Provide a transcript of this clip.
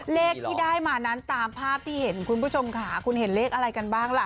เลขที่ได้มานั้นตามภาพที่เห็นคุณผู้ชมค่ะคุณเห็นเลขอะไรกันบ้างล่ะ